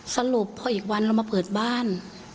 สรุปพออีกวันเรามาเปิดบ้าน